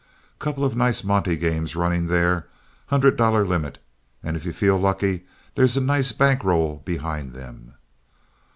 Couple of nice monte games running there; hundred dollar limit, and if you feel lucky, there's a nice bank roll behind them.